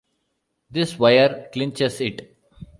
This wire clinches it.